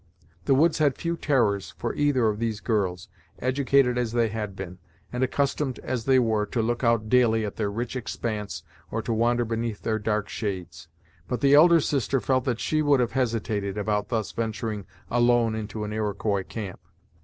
The woods had few terrors for either of these girls, educated as they had been, and accustomed as they were to look out daily at their rich expanse or to wander beneath their dark shades; but the elder sister felt that she would have hesitated about thus venturing alone into an Iroquois camp.